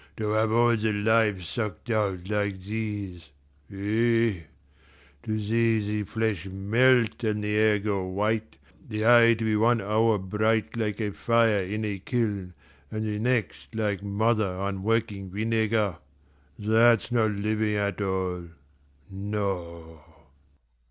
To have all the life sucked out like these eh? To see the flesh melt and the hair go white, the eye to be one hour bright like a fire in a kiln, and the next like mother on working vinegar that's not living at all no."